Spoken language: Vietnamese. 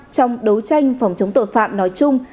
trong đấu tranh phòng chống tội phạm nói chung